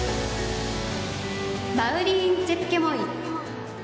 マウリーン・チェプケモイ。